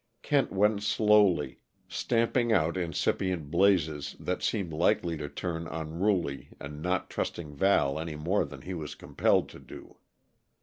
Kent went slowly, stamping out incipient blazes that seemed likely to turn unruly, and not trusting Val any more than he was compelled to do.